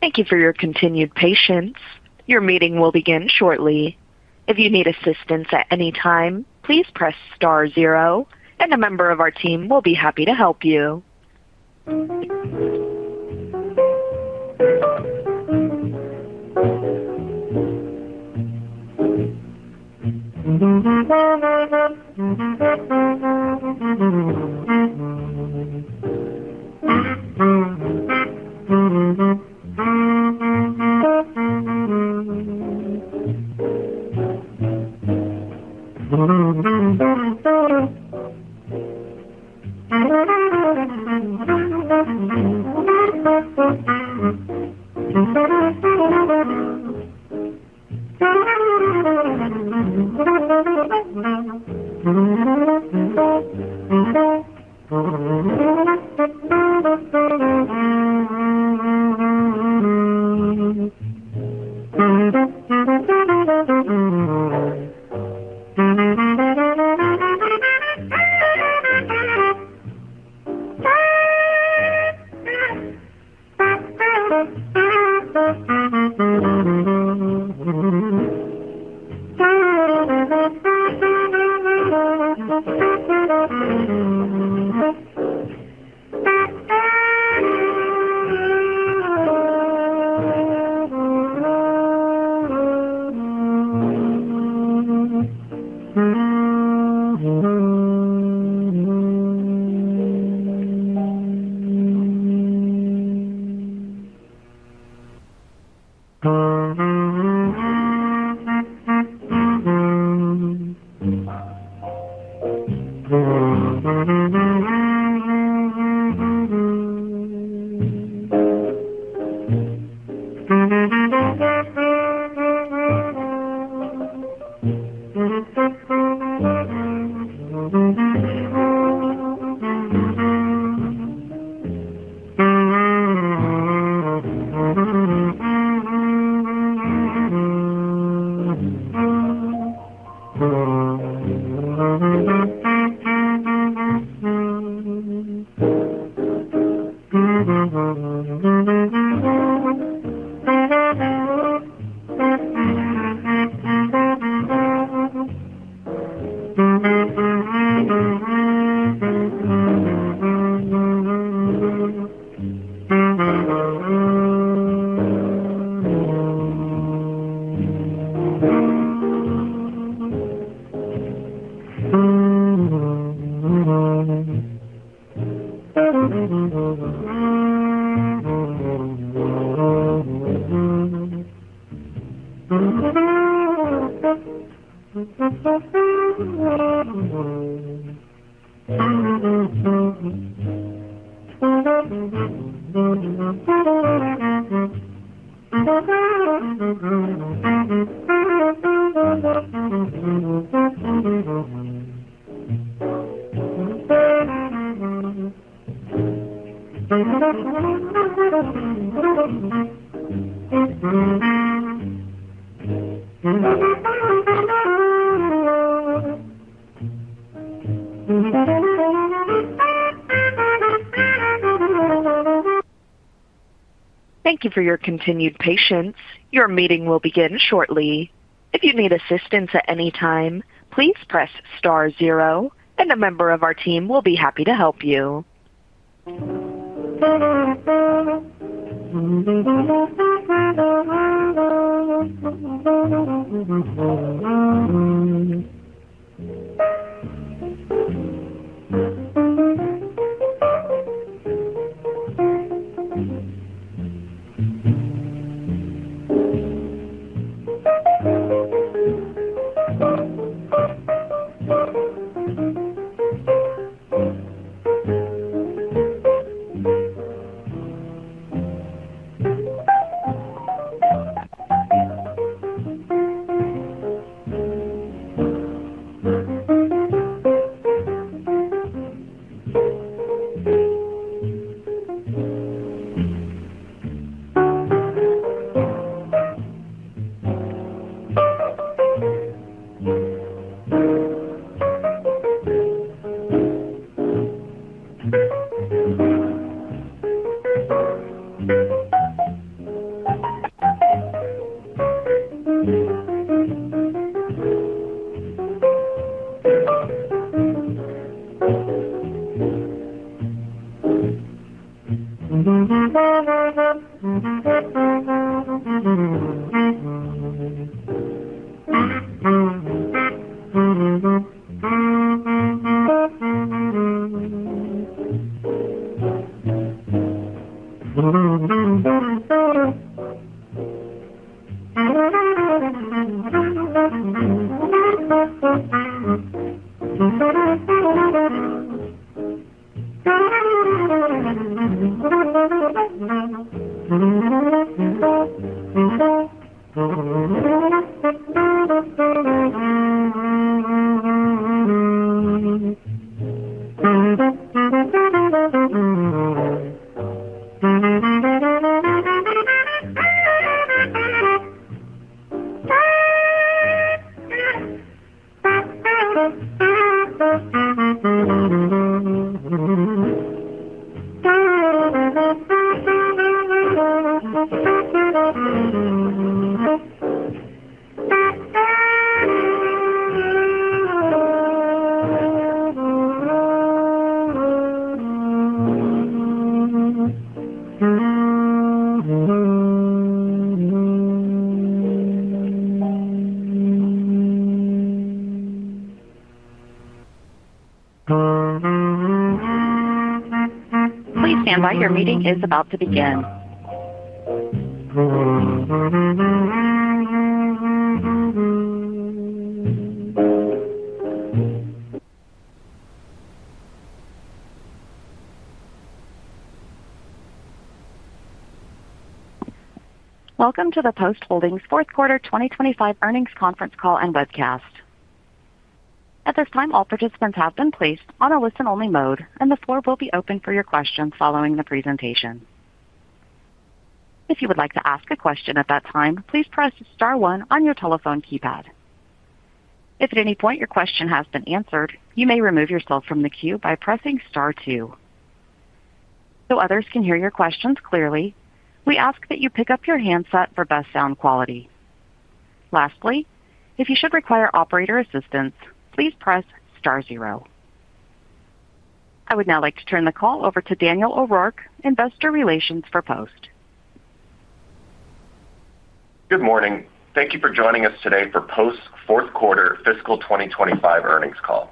Thank you for your continued patience. Your meeting will begin shortly. If you need assistance at any time, please press star zero, and a member of our team will be happy to help you. Thank you for your continued patience. Your meeting will begin shortly. If you need assistance at any time, please press star zero, and a member of our team will be happy to help you. Please stand by, your meeting is about to begin. Welcome to the Post Holdings Fourth Quarter 2025 Earnings Conference Call and Webcast. At this time, all participants have been placed on a listen-only mode, and the floor will be open for your questions following the presentation. If you would like to ask a question at that time, please press star one on your telephone keypad. If at any point your question has been answered, you may remove yourself from the queue by pressing star two. So others can hear your questions clearly, we ask that you pick up your handset for best sound quality. Lastly, if you should require operator assistance, please press star zero. I would now like to turn the call over to Daniel O'Rourke, Investor Relations for Post. Good morning. Thank you for joining us today for Post's Fourth Quarter Fiscal 2025 Earnings Call.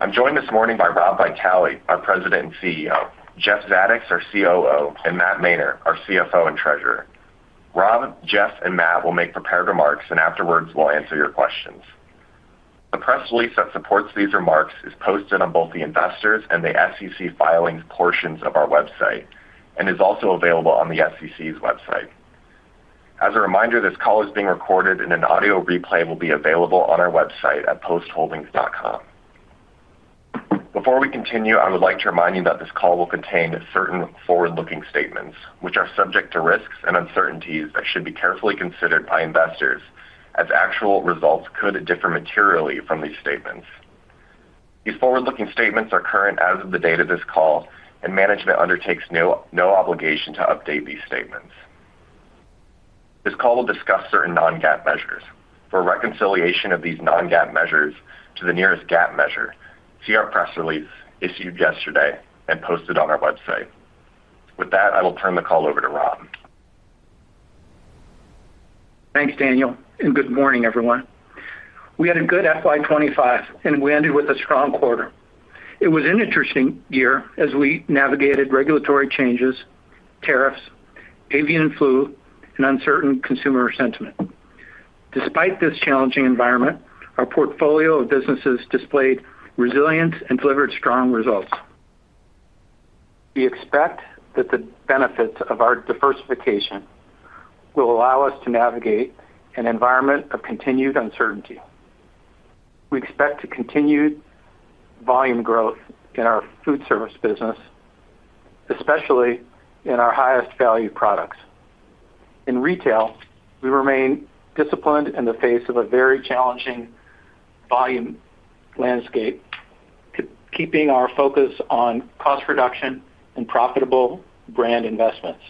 I'm joined this morning by Rob Vitale, our President and CEO; Jeff Zadoks, our COO; and Matt Mainer, our CFO and Treasurer. Rob, Jeff, and Matt will make prepared remarks, and afterwards we'll answer your questions. The press release that supports these remarks is posted on both the investors' and the SEC filings portions of our website and is also available on the SEC's website. As a reminder, this call is being recorded, and an audio replay will be available on our website at postholdings.com. Before we continue, I would like to remind you that this call will contain certain forward-looking statements, which are subject to risks and uncertainties that should be carefully considered by investors, as actual results could differ materially from these statements. These forward-looking statements are current as of the date of this call, and management undertakes no obligation to update these statements. This call will discuss certain non-GAAP measures. For reconciliation of these non-GAAP measures to the nearest GAAP measure, see our press release issued yesterday and posted on our website. With that, I will turn the call over to Rob. Thanks, Daniel, and good morning, everyone. We had a good fiscal year 2025, and we ended with a strong quarter. It was an interesting year as we navigated regulatory changes, tariffs, avian flu, and uncertain consumer sentiment. Despite this challenging environment, our portfolio of businesses displayed resilience and delivered strong results. We expect that the benefits of our diversification will allow us to navigate an environment of continued uncertainty. We expect to continue volume growth in our foodservice business, especially in our highest value products. In retail, we remain disciplined in the face of a very challenging volume landscape, keeping our focus on cost reduction and profitable brand investments.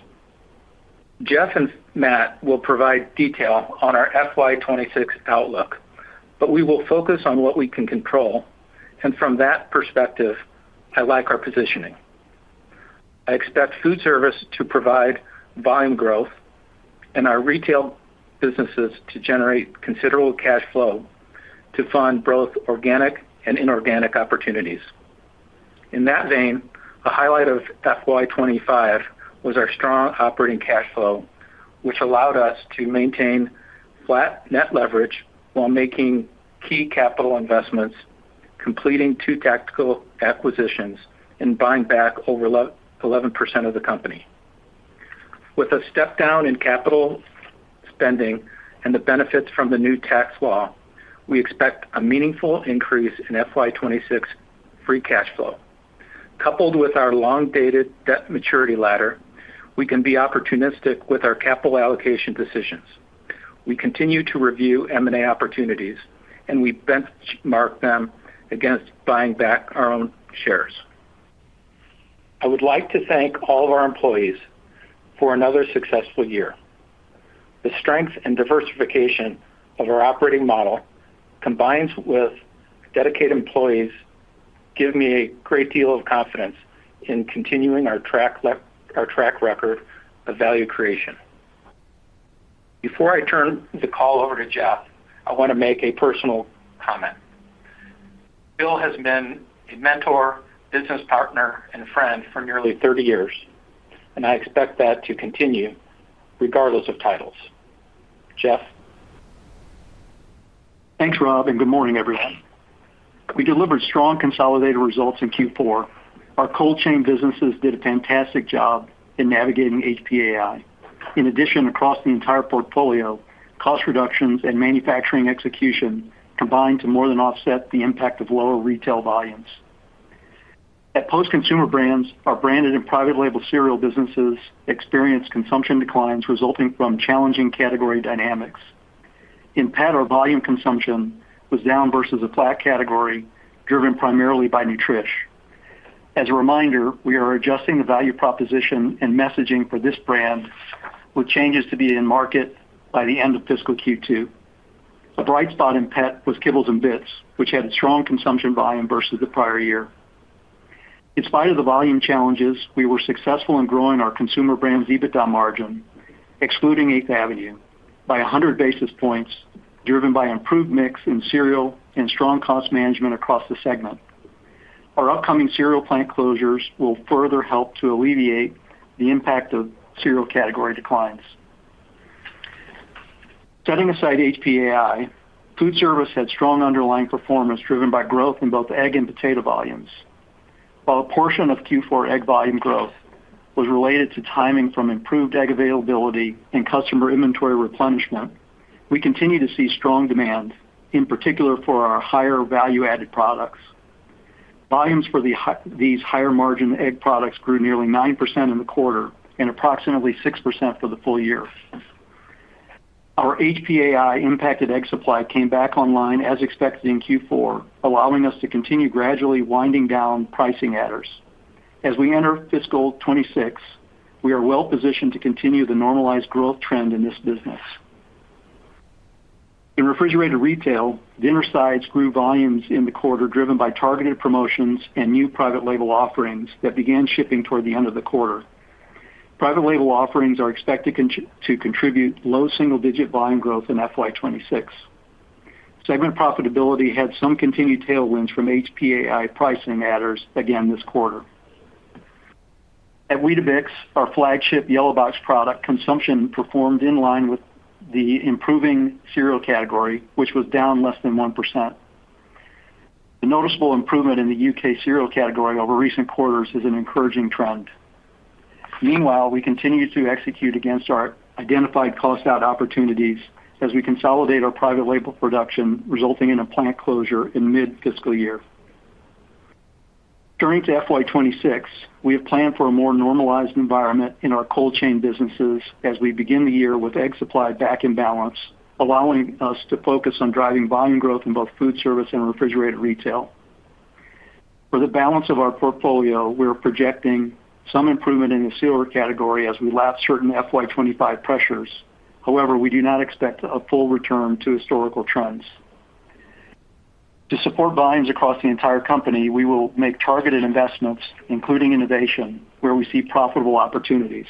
Jeff and Matt will provide detail on our FY 2026 outlook, but we will focus on what we can control, and from that perspective, I like our positioning. I expect foodservice to provide volume growth and our retail businesses to generate considerable cash flow to fund both organic and inorganic opportunities. In that vein, a highlight of FY 2025 was our strong operating cash flow, which allowed us to maintain flat net leverage while making key capital investments, completing two tactical acquisitions, and buying back over 11% of the company. With a step down in capital spending and the benefits from the new tax law, we expect a meaningful increase in FY 2026 free cash flow. Coupled with our long-dated debt maturity ladder, we can be opportunistic with our capital allocation decisions. We continue to review M&A opportunities, and we benchmark them against buying back our own shares. I would like to thank all of our employees for another successful year. The strength and diversification of our operating model, combined with dedicated employees, give me a great deal of confidence in continuing our track record of value creation. Before I turn the call over to Jeff, I want to make a personal comment. Bill has been a mentor, business partner, and friend for nearly 30 years, and I expect that to continue regardless of titles. Jeff. Thanks, Rob, and good morning, everyone. We delivered strong consolidated results in Q4. Our cold chain businesses did a fantastic job in navigating HPAI. In addition, across the entire portfolio, cost reductions and manufacturing execution combined to more than offset the impact of lower retail volumes. At Post, consumer brands, our branded and private label cereal businesses experienced consumption declines resulting from challenging category dynamics. In pet, our volume consumption was down versus a flat category, driven primarily by Nutrich. As a reminder, we are adjusting the value proposition and messaging for this brand, with changes to be in market by the end of fiscal Q2. A bright spot in pet was Kibbles 'n Bits, which had a strong consumption volume versus the prior year. In spite of the volume challenges, we were successful in growing our consumer brand's EBITDA margin, excluding Eighth Avenue, by 100 basis points, driven by improved mix in cereal and strong cost management across the segment. Our upcoming cereal plant closures will further help to alleviate the impact of cereal category declines. Setting aside HPAI, foodservice had strong underlying performance driven by growth in both egg and potato volumes. While a portion of Q4 egg volume growth was related to timing from improved egg availability and customer inventory replenishment, we continue to see strong demand, in particular for our higher value-added products. Volumes for these higher margin egg products grew nearly 9% in the quarter and approximately 6% for the full year. Our HPAI impacted egg supply came back online as expected in Q4, allowing us to continue gradually winding down pricing adders. As we enter fiscal 2026, we are well positioned to continue the normalized growth trend in this business. In refrigerated retail, dinner sides grew volumes in the quarter, driven by targeted promotions and new private label offerings that began shipping toward the end of the quarter. Private label offerings are expected to contribute low single-digit volume growth in fiscal 2026. Segment profitability had some continued tailwinds from HPAI pricing adders again this quarter. At Weetabix, our flagship Yellowbox product consumption performed in line with the improving cereal category, which was down less than 1%. The noticeable improvement in the U.K. cereal category over recent quarters is an encouraging trend. Meanwhile, we continue to execute against our identified cost-out opportunities as we consolidate our private label production, resulting in a plant closure in mid-fiscal year. Turning to FY 2026, we have planned for a more normalized environment in our cold chain businesses as we begin the year with egg supply back in balance, allowing us to focus on driving volume growth in both foodservice and refrigerated retail. For the balance of our portfolio, we're projecting some improvement in the cereal category as we lapse certain FY 2025 pressures. However, we do not expect a full return to historical trends. To support volumes across the entire company, we will make targeted investments, including innovation, where we see profitable opportunities.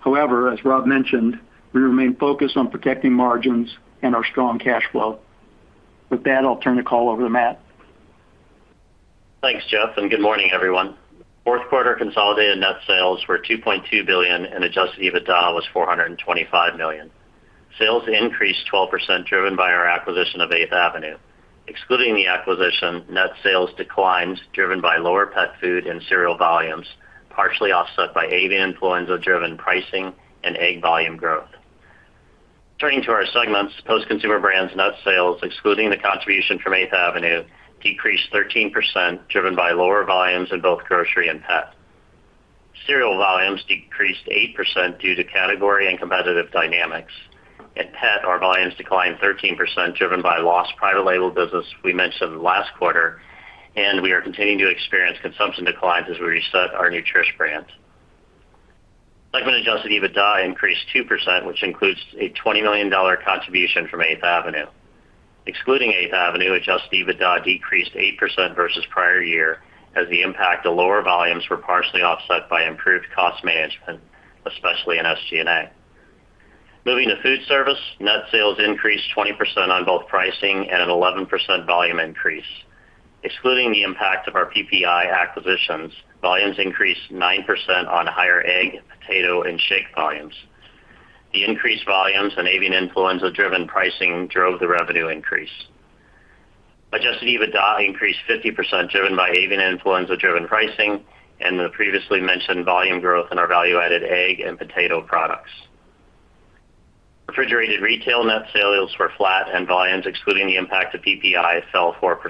However, as Rob mentioned, we remain focused on protecting margins and our strong cash flow. With that, I'll turn the call over to Matt. Thanks, Jeff, and good morning, everyone. Fourth quarter consolidated net sales were $2.2 billion, and adjusted EBITDA was $425 million. Sales increased 12%, driven by our acquisition of Eighth Avenue. Excluding the acquisition, net sales declined, driven by lower pet food and cereal volumes, partially offset by avian influenza-driven pricing and egg volume growth. Turning to our segments, Post's consumer brands net sales, excluding the contribution from Eighth Avenue, decreased 13%, driven by lower volumes in both grocery and pet. Cereal volumes decreased 8% due to category and competitive dynamics. At pet, our volumes declined 13%, driven by lost private label business we mentioned last quarter, and we are continuing to experience consumption declines as we reset our Nutrich brand. Segment adjusted EBITDA increased 2%, which includes a $20 million contribution from Eighth Avenue. Excluding Eighth Avenue, adjusted EBITDA decreased 8% versus prior year as the impact of lower volumes was partially offset by improved cost management, especially in SG&A. Moving to foodservice, net sales increased 20% on both pricing and an 11% volume increase. Excluding the impact of our PPI acquisitions, volumes increased 9% on higher egg, potato, and shake volumes. The increased volumes and avian influenza-driven pricing drove the revenue increase. Adjusted EBITDA increased 50%, driven by avian influenza-driven pricing and the previously mentioned volume growth in our value-added egg and potato products. Refrigerated retail net sales were flat, and volumes, excluding the impact of PPI, fell 4%.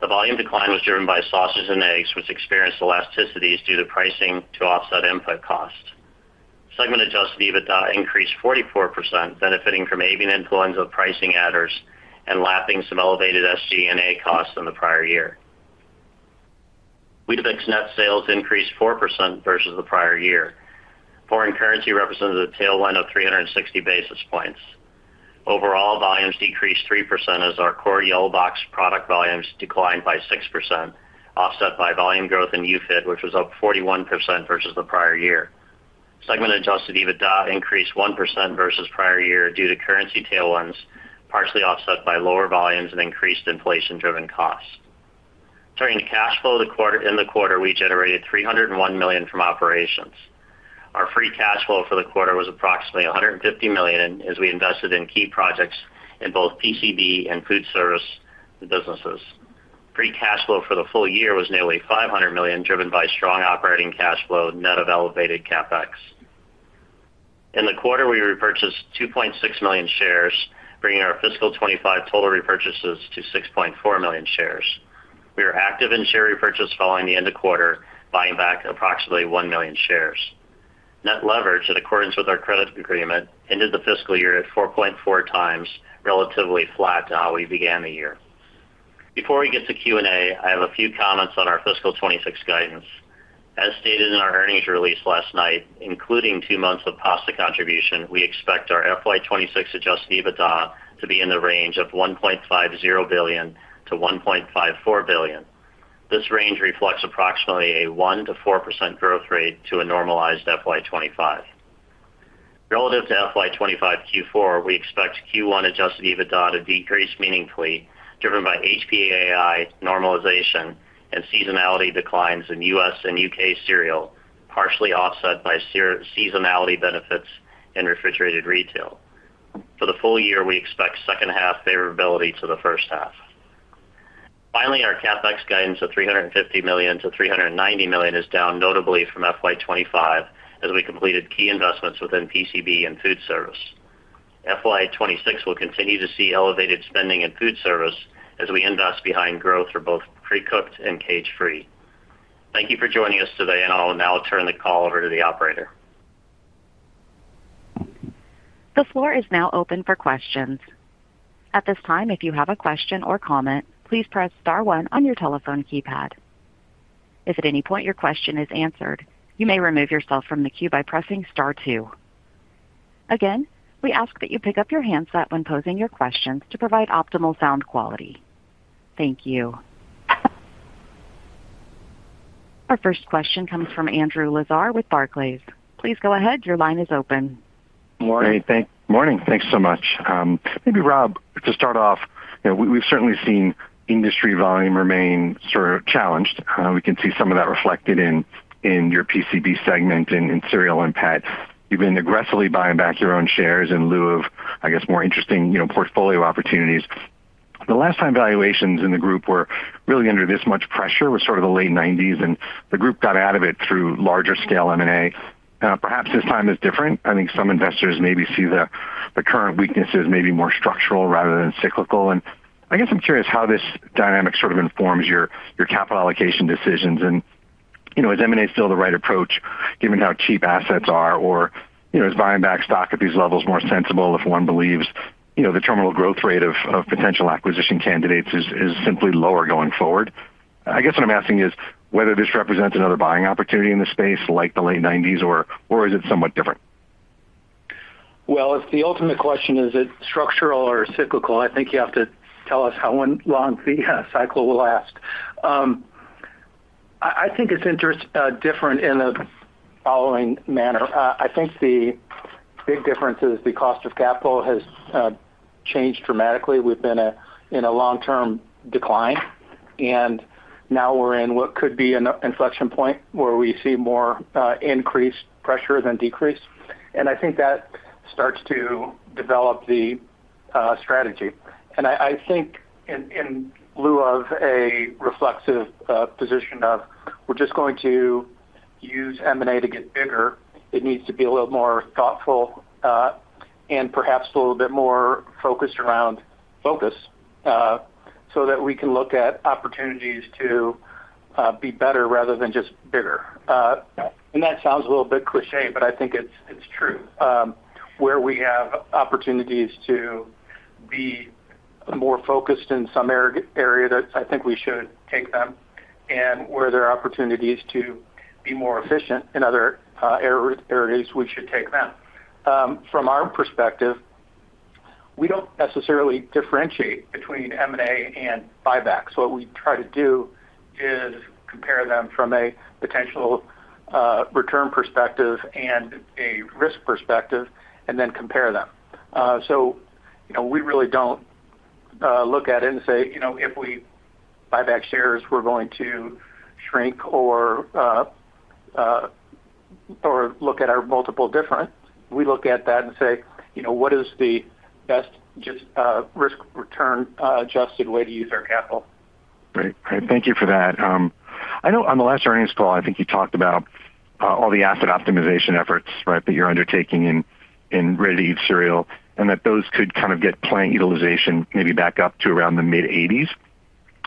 The volume decline was driven by sausages and eggs, which experienced elasticities due to pricing to offset input costs. Segment adjusted EBITDA increased 44%, benefiting from avian influenza pricing adders and lapping some elevated SG&A costs in the prior year. Weetabix's net sales increased 4% versus the prior year. Foreign currency represented a tailwind of 360 basis points. Overall, volumes decreased 3% as our core Yellowbox product volumes declined by 6%, offset by volume growth in UFID, which was up 41% versus the prior year. Segment adjusted EBITDA increased 1% versus prior year due to currency tailwinds, partially offset by lower volumes and increased inflation-driven costs. Turning to cash flow in the quarter, we generated $301 million from operations. Our free cash flow for the quarter was approximately $150 million as we invested in key projects in both PCB and foodservice businesses. Free cash flow for the full year was nearly $500 million, driven by strong operating cash flow, net of elevated CapEx. In the quarter, we repurchased 2.6 million shares, bringing our fiscal 2025 total repurchases to 6.4 million shares. We were active in share repurchase following the end of quarter, buying back approximately 1 million shares. Net leverage, in accordance with our credit agreement, ended the fiscal year at 4.4 times, relatively flat to how we began the year. Before we get to Q&A, I have a few comments on our fiscal 2026 guidance. As stated in our earnings release last night, including two months of pasta contribution, we expect our FY 2026 adjusted EBITDA to be in the range of $1.50 billion-$1.54 billion. This range reflects approximately a 1%-4% growth rate to a normalized FY 2025. Relative to FY 2025 Q4, we expect Q1 adjusted EBITDA to decrease meaningfully, driven by HPAI normalization and seasonality declines in U.S. and U.K. cereal, partially offset by seasonality benefits in refrigerated retail. For the full year, we expect second-half favorability to the first half. Finally, our CapEx guidance of $350 million-$390 million is down notably from FY 2025 as we completed key investments within PCB and foodservice. FY 2026 will continue to see elevated spending in foodservice as we invest behind growth for both pre-cooked and cage-free. Thank you for joining us today, and I'll now turn the call over to the operator. The floor is now open for questions. At this time, if you have a question or comment, please press star one on your telephone keypad. If at any point your question is answered, you may remove yourself from the queue by pressing star two. Again, we ask that you pick up your handset when posing your questions to provide optimal sound quality. Thank you. Our first question comes from Andrew Lazar with Barclays. Please go ahead. Your line is open. Morning. Thanks so much. Maybe, Rob, to start off, we've certainly seen industry volume remain sort of challenged. We can see some of that reflected in your PCB segment and cereal and pet. You've been aggressively buying back your own shares in lieu of, I guess, more interesting portfolio opportunities. The last time valuations in the group were really under this much pressure was sort of the late 1990s, and the group got out of it through larger scale M&A. Perhaps this time is different. I think some investors maybe see the current weakness as maybe more structural rather than cyclical. I guess I'm curious how this dynamic sort of informs your capital allocation decisions. Is M&A still the right approach, given how cheap assets are? Is buying back stock at these levels more sensible if one believes the terminal growth rate of potential acquisition candidates is simply lower going forward? I guess what I'm asking is whether this represents another buying opportunity in the space, like the late 1990s, or is it somewhat different? If the ultimate question is it structural or cyclical, I think you have to tell us how long the cycle will last. I think it's different in the following manner. I think the big difference is the cost of capital has changed dramatically. We've been in a long-term decline, and now we're in what could be an inflection point where we see more increased pressure than decrease. I think that starts to develop the strategy. I think in lieu of a reflexive position of, "We're just going to use M&A to get bigger," it needs to be a little more thoughtful and perhaps a little bit more focused around focus so that we can look at opportunities to be better rather than just bigger. That sounds a little bit cliché, but I think it's true. Where we have opportunities to be more focused in some area that I think we should take them, and where there are opportunities to be more efficient in other areas, we should take them. From our perspective, we do not necessarily differentiate between M&A and buybacks. What we try to do is compare them from a potential return perspective and a risk perspective, and then compare them. We really do not look at it and say, "If we buy back shares, we are going to shrink or look at our multiple different." We look at that and say, "What is the best risk-return adjusted way to use our capital? Right. Thank you for that. I know on the last earnings call, I think you talked about all the asset optimization efforts that you're undertaking in ready-to-eat cereal and that those could kind of get plant utilization maybe back up to around the mid-80s.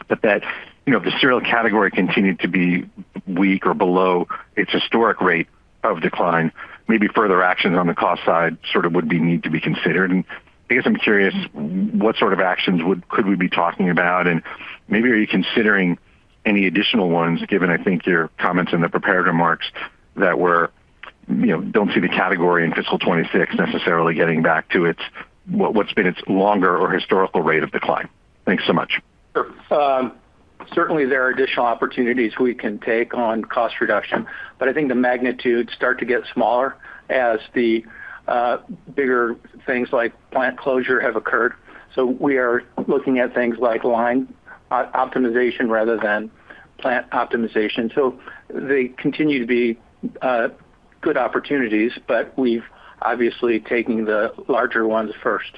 If the cereal category continued to be weak or below its historic rate of decline, maybe further actions on the cost side sort of would need to be considered. I guess I'm curious, what sort of actions could we be talking about? Maybe are you considering any additional ones, given, I think, your comments in the preparatory remarks that we do not see the category in fiscal 2026 necessarily getting back to what has been its longer or historical rate of decline? Thanks so much. Sure. Certainly, there are additional opportunities we can take on cost reduction, but I think the magnitudes start to get smaller as the bigger things like plant closure have occurred. We are looking at things like line optimization rather than plant optimization. They continue to be good opportunities, but we've obviously taken the larger ones first.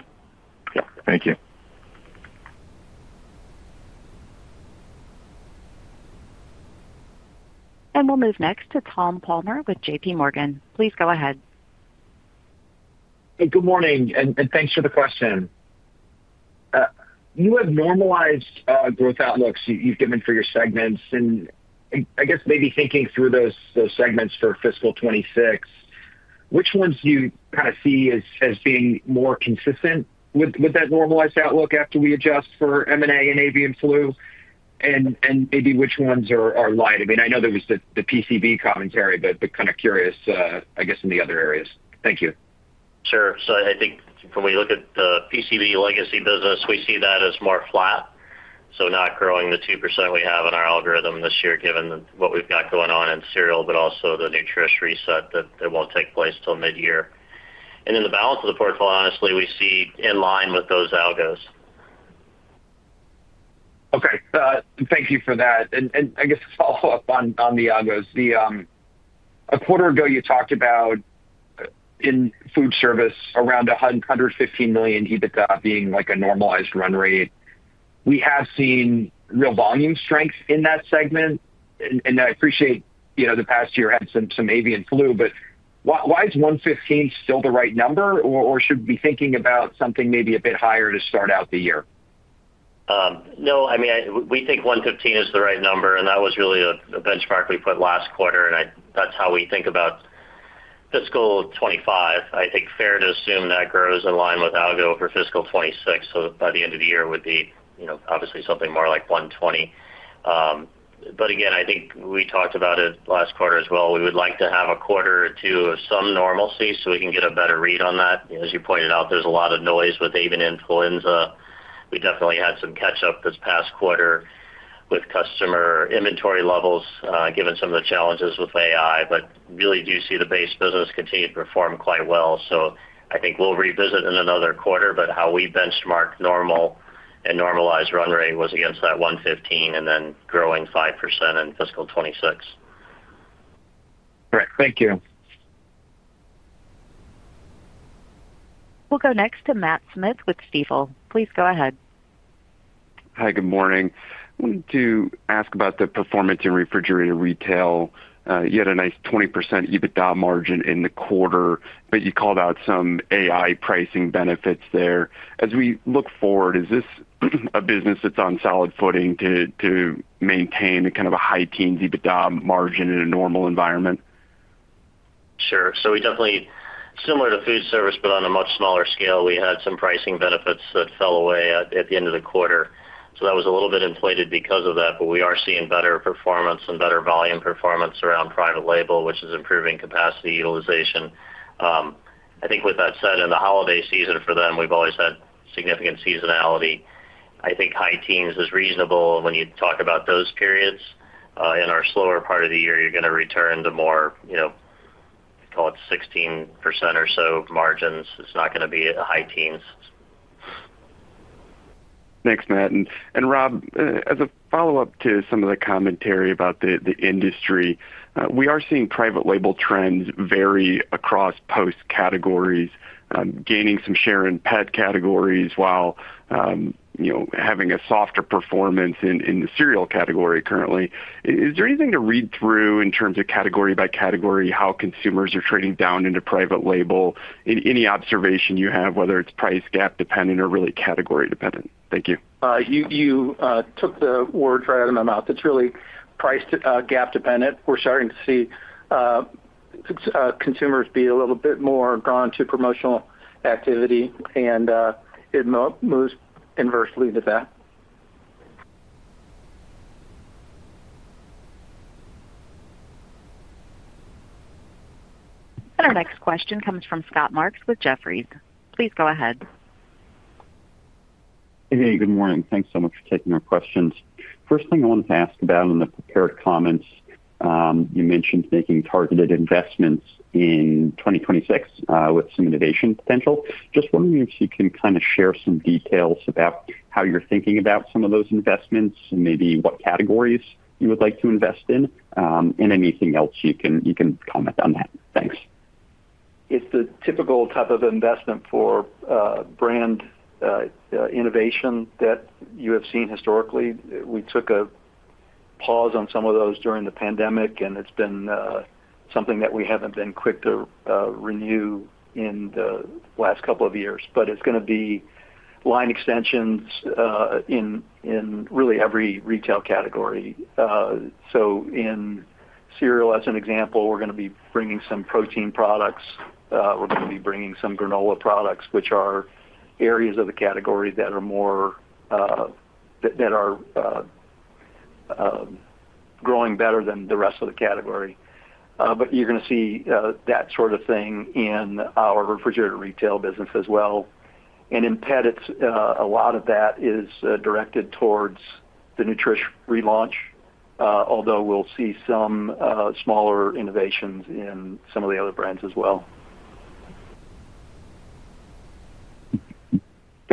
Yeah. Thank you. We will move next to Tom Palmer with JPMorgan. Please go ahead. Hey, good morning, and thanks for the question. You have normalized growth outlooks you've given for your segments. I guess maybe thinking through those segments for fiscal 2026, which ones do you kind of see as being more consistent with that normalized outlook after we adjust for M&A and avian flu? Maybe which ones are light? I mean, I know there was the PCB commentary, but kind of curious, I guess, in the other areas. Thank you. Sure. I think from what you look at, the PCB legacy business, we see that as more flat. Not growing the 2% we have in our algorithm this year, given what we have got going on in cereal, but also the Nutrich reset that will not take place till mid-year. In the balance of the portfolio, honestly, we see in line with those algos. Okay. Thank you for that. I guess to follow up on the algos, a quarter ago you talked about in foodservice around $115 million EBITDA being a normalized run rate. We have seen real volume strength in that segment. I appreciate the past year had some avian flu, but why is $115 still the right number? Should we be thinking about something maybe a bit higher to start out the year? No, I mean, we think $115 is the right number. That was really a benchmark we put last quarter. That is how we think about fiscal 2025. I think fair to assume that grows in line with algo for fiscal 2026. By the end of the year, it would be obviously something more like $120. I think we talked about it last quarter as well. We would like to have a quarter or two of some normalcy so we can get a better read on that. As you pointed out, there is a lot of noise with avian influenza. We definitely had some catch-up this past quarter with customer inventory levels, given some of the challenges with AI. We really do see the base business continue to perform quite well. I think we will revisit in another quarter. How we benchmark normal and normalized run rate was against that $115 and then growing 5% in fiscal 2026. Great. Thank you. We'll go next to Matt Smith with Stifel. Please go ahead. Hi, good morning. I wanted to ask about the performance in refrigerated retail. You had a nice 20% EBITDA margin in the quarter, but you called out some AI pricing benefits there. As we look forward, is this a business that's on solid footing to maintain kind of a high-teens EBITDA margin in a normal environment? Sure. We definitely, similar to foodservice, but on a much smaller scale, had some pricing benefits that fell away at the end of the quarter. That was a little bit inflated because of that. We are seeing better performance and better volume performance around private label, which is improving capacity utilization. I think with that said, in the holiday season for them, we've always had significant seasonality. I think high teens is reasonable. When you talk about those periods in our slower part of the year, you're going to return to more, call it 16% or so margins. It's not going to be a high teens. Thanks, Matt. Rob, as a follow-up to some of the commentary about the industry, we are seeing private label trends vary across Post categories, gaining some share in pet categories while having a softer performance in the cereal category currently. Is there anything to read through in terms of category by category how consumers are trading down into private label? Any observation you have, whether it's price gap dependent or really category dependent? Thank you. You took the words right out of my mouth. It's really price gap dependent. We're starting to see consumers be a little bit more drawn to promotional activity. It moves inversely to that. Our next question comes from Scott Marks with Jefferies. Please go ahead. Hey, good morning. Thanks so much for taking our questions. First thing I wanted to ask about in the prepared comments, you mentioned making targeted investments in 2026 with some innovation potential. Just wondering if you can kind of share some details about how you're thinking about some of those investments and maybe what categories you would like to invest in and anything else you can comment on that. Thanks. It's the typical type of investment for brand innovation that you have seen historically. We took a pause on some of those during the pandemic, and it's been something that we haven't been quick to renew in the last couple of years. It is going to be line extensions in really every retail category. In cereal, as an example, we are going to be bringing some protein products. We are going to be bringing some granola products, which are areas of the category that are growing better than the rest of the category. You are going to see that sort of thing in our refrigerated retail business as well. In pets, a lot of that is directed towards the Nutrich relaunch, although we will see some smaller innovations in some of the other brands as well.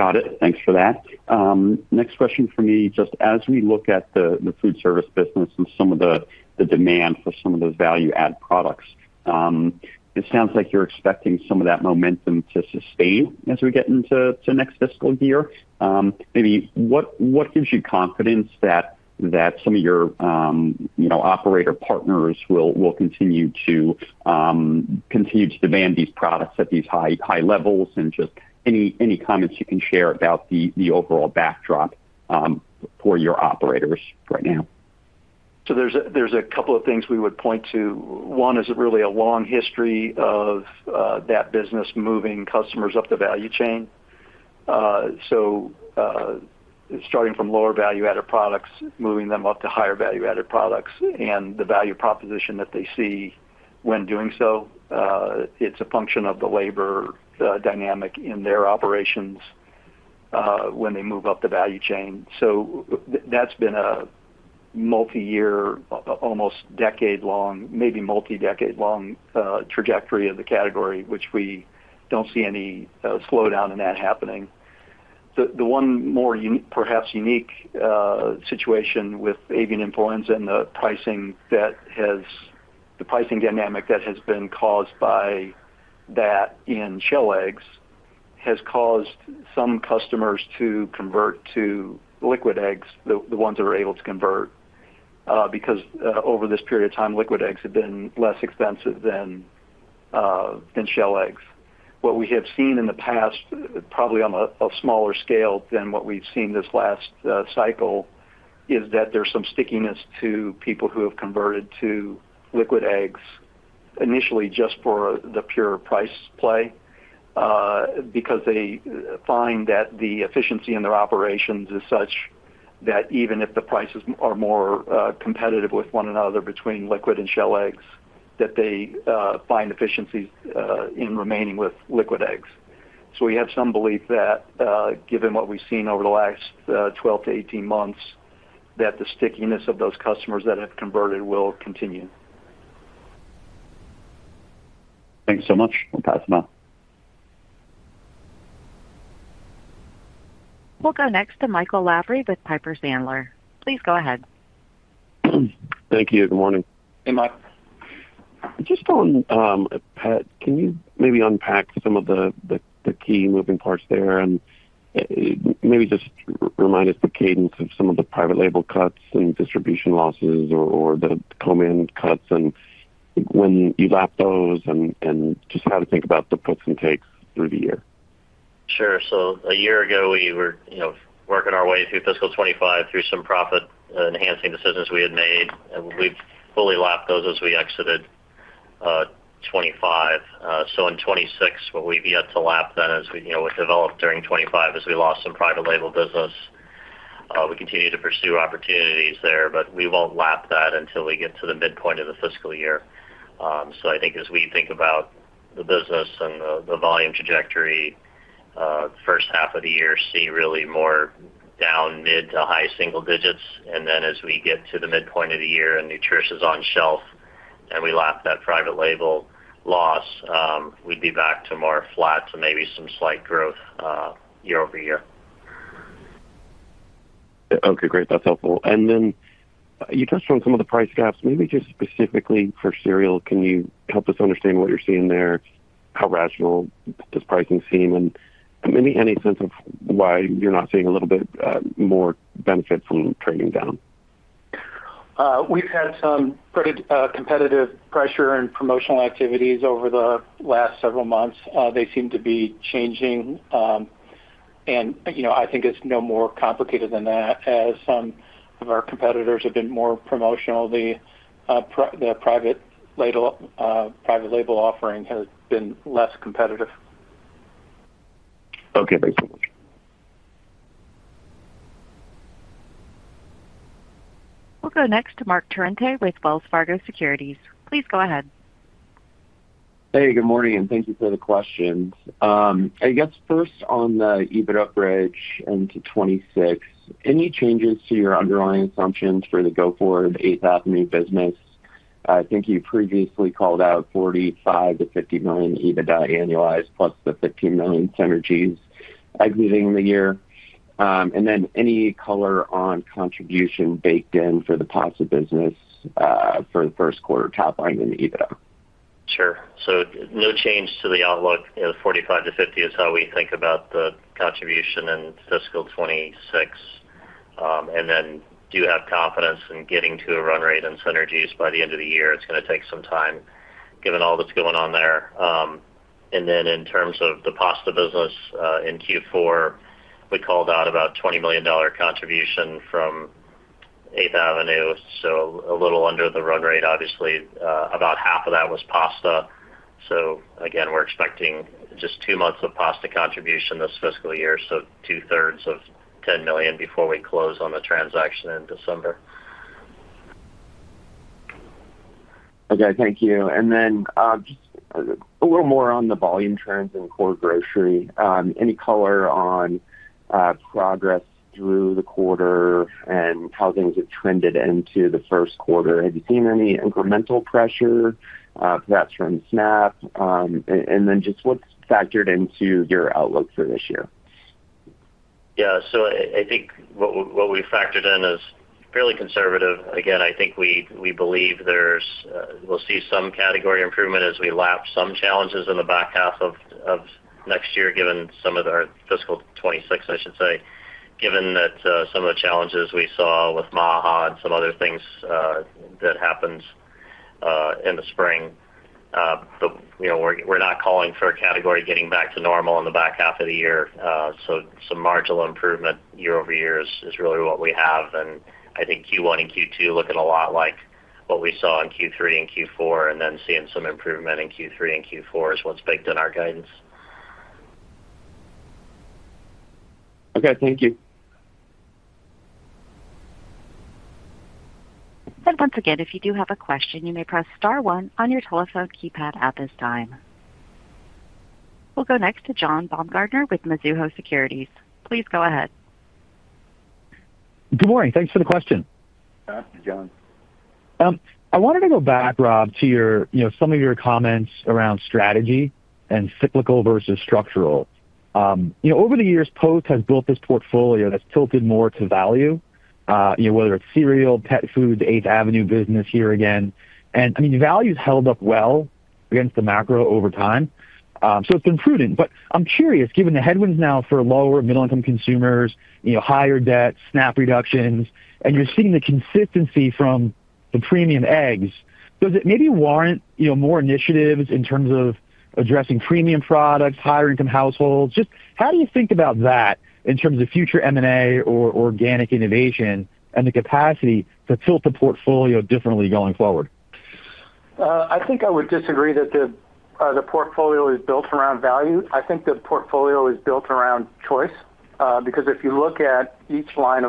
Got it. Thanks for that. Next question for me, just as we look at the foodservice business and some of the demand for some of those value-add products, it sounds like you're expecting some of that momentum to sustain as we get into next fiscal year. Maybe what gives you confidence that some of your operator partners will continue to demand these products at these high levels? Any comments you can share about the overall backdrop for your operators right now? There are a couple of things we would point to. One is really a long history of that business moving customers up the value chain. Starting from lower value-added products, moving them up to higher value-added products, and the value proposition that they see when doing so. It is a function of the labor dynamic in their operations when they move up the value chain. That has been a multi-year, almost decade-long, maybe multi-decade-long trajectory of the category, which we do not see any slowdown in happening. The one more perhaps unique situation with avian influenza and the pricing dynamic that has been caused by that in shell eggs has caused some customers to convert to liquid eggs, the ones that are able to convert, because over this period of time, liquid eggs have been less expensive than shell eggs. What we have seen in the past, probably on a smaller scale than what we've seen this last cycle, is that there's some stickiness to people who have converted to liquid eggs initially just for the pure price play because they find that the efficiency in their operations is such that even if the prices are more competitive with one another between liquid and shell eggs, that they find efficiencies in remaining with liquid eggs. We have some belief that, given what we've seen over the last 12 to 18 months, that the stickiness of those customers that have converted will continue. Thanks so much. We'll pass them out. We'll go next to Michael Lavery with Piper Sandler. Please go ahead. Thank you. Good morning. Hey, Mike. Just on pet, can you maybe unpack some of the key moving parts there and maybe just remind us the cadence of some of the private label cuts and distribution losses or the command cuts and when you lap those and just how to think about the puts and takes through the year? Sure. A year ago, we were working our way through fiscal 2025 through some profit-enhancing decisions we had made. We fully lapped those as we exited 2025. In 2026, what we have yet to lap then as we developed during 2025 is we lost some private label business. We continue to pursue opportunities there, but we will not lap that until we get to the midpoint of the fiscal year. I think as we think about the business and the volume trajectory, the first half of the year sees really more down mid to high single digits. As we get to the midpoint of the year and Nutrich is on shelf and we lap that private label loss, we would be back to more flat to maybe some slight growth year-over-year. Okay. Great. That's helpful. You touched on some of the price gaps. Maybe just specifically for cereal, can you help us understand what you're seeing there? How rational does pricing seem? Maybe any sense of why you're not seeing a little bit more benefit from trading down? We've had some pretty competitive pressure and promotional activities over the last several months. They seem to be changing. I think it's no more complicated than that as some of our competitors have been more promotional. The private label offering has been less competitive. Okay. Thanks so much. We'll go next to Marc Torrente with Wells Fargo Securities. Please go ahead. Hey, good morning. Thank you for the questions. I guess first on the EBIT upgrade into 2026, any changes to your underlying assumptions for the GO4 and the Eighth Avenue business? I think you previously called out $45 million-$50 million EBITDA annualized plus the $15 million synergies exiting the year. Any color on contribution baked in for the Post Holdings business for the first quarter top line and the EBITDA? Sure. No change to the outlook. $45 million-$50 million is how we think about the contribution in fiscal 2026. We do have confidence in getting to a run rate and synergies by the end of the year. It is going to take some time given all that is going on there. In terms of the pasta business in Q4, we called out about $20 million contribution from Eighth Avenue, so a little under the run rate, obviously. About half of that was pasta. We are expecting just two months of pasta contribution this fiscal year, so two-thirds of $10 million before we close on the transaction in December. Okay. Thank you. Just a little more on the volume trends in core grocery. Any color on progress through the quarter and how things have trended into the first quarter? Have you seen any incremental pressure, perhaps from SNAP? Just what's factored into your outlook for this year? Yeah. I think what we factored in is fairly conservative. Again, I think we believe we'll see some category improvement as we lap some challenges in the back half of next year, given some of our fiscal 2026, I should say, given that some of the challenges we saw with MAHA and some other things that happened in the spring. We're not calling for a category getting back to normal in the back half of the year. Some marginal improvement year over year is really what we have. I think Q1 and Q2 looking a lot like what we saw in Q3 and Q4, and then seeing some improvement in Q3 and Q4 is what's baked in our guidance. Okay. Thank you. If you do have a question, you may press star one on your telephone keypad at this time. We'll go next to John Baumgardner with Mizuho Securities. Please go ahead. Good morning. Thanks for the question. Hi, John. I wanted to go back, Rob, to some of your comments around strategy and cyclical versus structural. Over the years, Post has built this portfolio that's tilted more to value, whether it's cereal, pet food, the Eighth Avenue business here again. I mean, value has held up well against the macro over time. It's been prudent. I'm curious, given the headwinds now for lower middle-income consumers, higher debt, SNAP reductions, and you're seeing the consistency from the premium eggs, does it maybe warrant more initiatives in terms of addressing premium products, higher-income households? Just how do you think about that in terms of future M&A or organic innovation and the capacity to tilt the portfolio differently going forward? I think I would disagree that the portfolio is built around value. I think the portfolio is built around choice because if you look at each line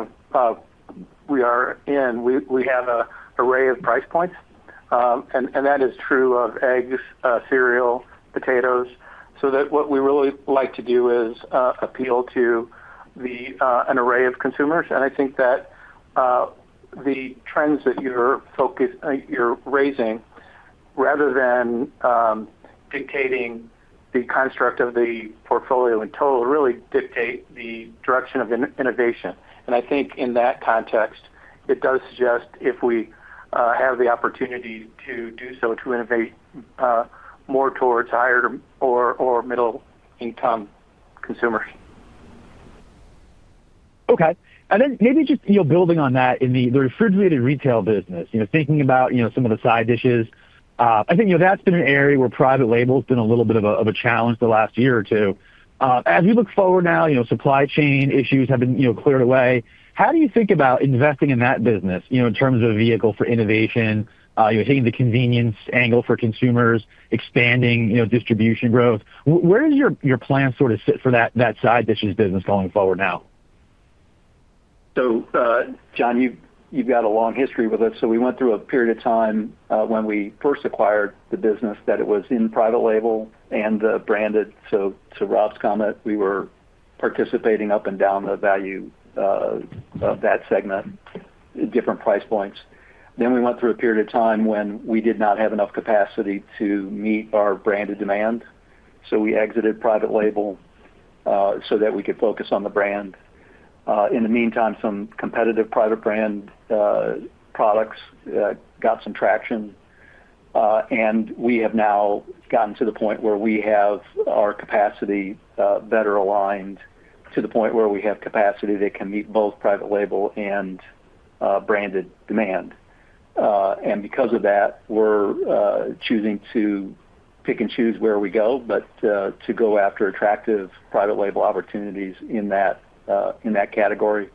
we are in, we have an array of price points. That is true of eggs, cereal, potatoes. What we really like to do is appeal to an array of consumers. I think that the trends that you're raising, rather than dictating the construct of the portfolio in total, really dictate the direction of innovation. I think in that context, it does suggest if we have the opportunity to do so to innovate more towards higher or middle-income consumers. Okay. Maybe just building on that in the refrigerated retail business, thinking about some of the side dishes, I think that's been an area where private label has been a little bit of a challenge the last year or two. As we look forward now, supply chain issues have been cleared away. How do you think about investing in that business in terms of a vehicle for innovation, taking the convenience angle for consumers, expanding distribution growth? Where does your plan sort of sit for that side dishes business going forward now? John, you've got a long history with us. We went through a period of time when we first acquired the business that it was in private label and branded. To Rob's comment, we were participating up and down the value of that segment, different price points. We went through a period of time when we did not have enough capacity to meet our branded demand. We exited private label so that we could focus on the brand. In the meantime, some competitive private brand products got some traction. We have now gotten to the point where we have our capacity better aligned to the point where we have capacity that can meet both private label and branded demand. Because of that, we're choosing to pick and choose where we go, but to go after attractive private label opportunities in that category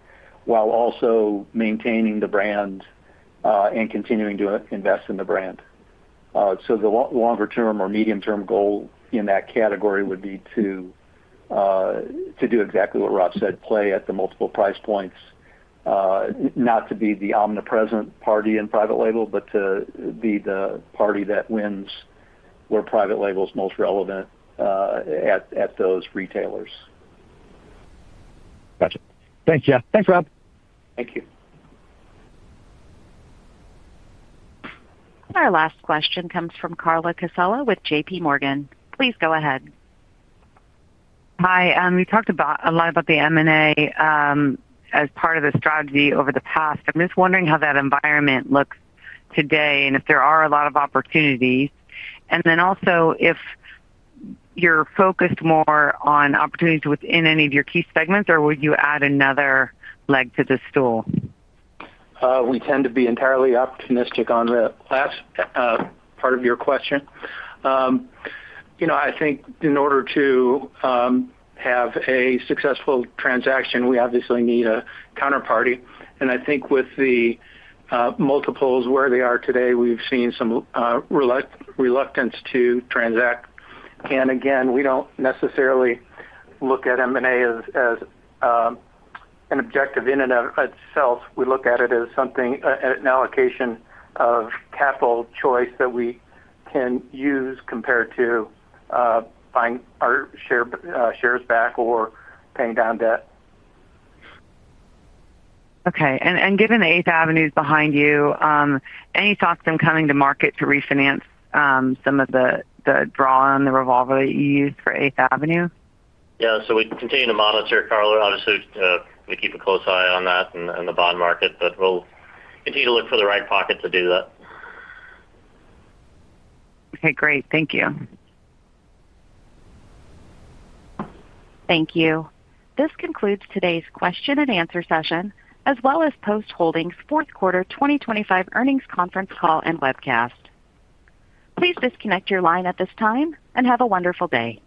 while also maintaining the brand and continuing to invest in the brand. The longer-term or medium-term goal in that category would be to do exactly what Rob said, play at the multiple price points, not to be the omnipresent party in private label, but to be the party that wins where private label is most relevant at those retailers. Gotcha. Thanks, Jeff. Thanks, Rob. Thank you. Our last question comes from Carla Casella with JPMorgan. Please go ahead. Hi. We talked a lot about the M&A as part of the strategy over the past. I'm just wondering how that environment looks today and if there are a lot of opportunities. Also, if you're focused more on opportunities within any of your key segments, or would you add another leg to the stool? We tend to be entirely optimistic on the last part of your question. I think in order to have a successful transaction, we obviously need a counterparty. I think with the multiples where they are today, we've seen some reluctance to transact. We don't necessarily look at M&A as an objective in and of itself. We look at it as something, an allocation of capital choice that we can use compared to buying our shares back or paying down debt. Okay. Given the Eighth Avenue is behind you, any thoughts on coming to market to refinance some of the draw on the revolver that you used for Eighth Avenue? Yeah. We continue to monitor, Carla. Obviously, we keep a close eye on that and the bond market, but we'll continue to look for the right pocket to do that. Okay. Great. Thank you. Thank you. This concludes today's question and answer session as well as Post Holdings' fourth quarter 2025 earnings conference call and webcast. Please disconnect your line at this time and have a wonderful day. Thanks.